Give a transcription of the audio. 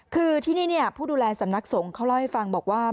คือที่นี่ผู้ดูแลสำนักสงฆ์เขาเล่าให้ฟังบอกว่า